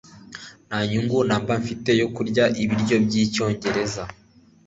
nta nyungu namba mfite yo kurya ibiryo by'icyongereza